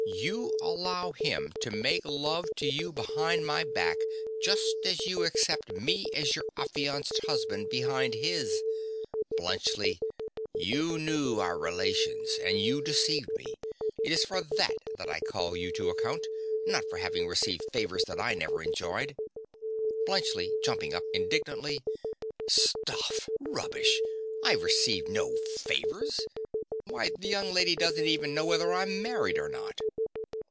You allow him to make love to you behind my back, just as you accept me as your affianced husband behind his. Bluntschli: you knew our relations; and you deceived me. It is for that that I call you to account, not for having received favours that I never enjoyed. BLUNTSCHLI. (jumping up indignantly). Stuff! Rubbish! I have received no favours. Why, the young lady doesn't even know whether I'm married or not.